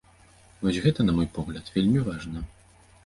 Вось гэта, на мой погляд, вельмі важна.